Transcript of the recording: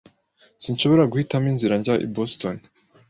Sinshobora guhitamo inzira njya i Boston.